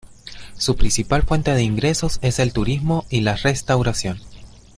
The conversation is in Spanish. Su principal fuente de ingresos es el turismo y las restauración.